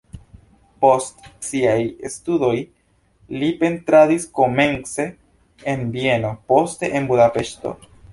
Post siaj studoj li pentradis komence en Vieno, poste en Budapeŝto.